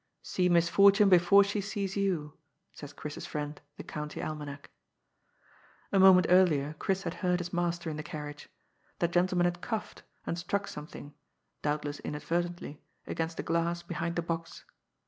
" See Misfortune before she sees you," says Chris's friend the County Almanac. A moment earlier Chris had heard his master in the carriage. That gentleman had coughed, and struck some thing, doubtless inadvertently, against the glass behind the box.